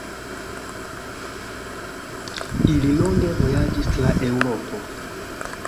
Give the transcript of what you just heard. Ili longe vojaĝis tra Eŭropo.